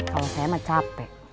kalau saya mah capek